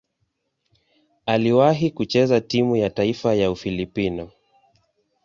Aliwahi kucheza timu ya taifa ya Ufilipino.